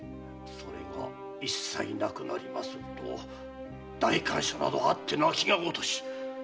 それが一切なくなりますと代官所などあってなきがごとし。